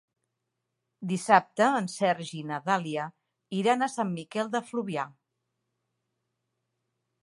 Dissabte en Sergi i na Dàlia iran a Sant Miquel de Fluvià.